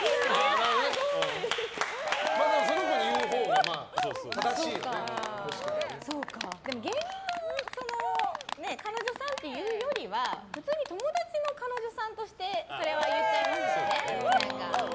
まあ、その子に言うほうが芸人の彼女さんというよりは普通に友達の彼女さんとしてそれは言っちゃいますよね。